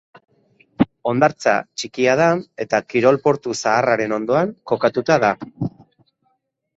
Hondartza txikia da eta kirol portu zaharraren ondoan kokatuta da.